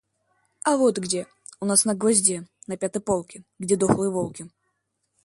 А вот где: у нас на гвозде, на пятой полке, где дохлые волки